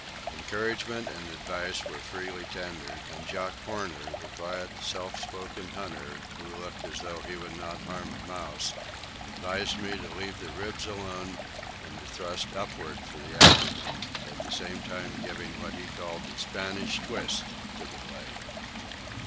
Encouragement and advice were freely tendered, and Jock Horner, the quiet, self spoken hunter who looked as though he would not harm a mouse, advised me to leave the ribs alone and to thrust upward for the abdomen, at the same time giving what he called the "Spanish twist" to the blade.